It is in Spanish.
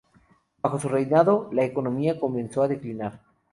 Bajo su reinado, la economía comenzó a declinar.